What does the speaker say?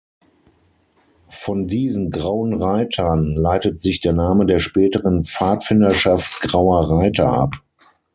Von diesen Grauen Reitern leitet sich der Name der späteren Pfadfinderschaft Grauer Reiter ab.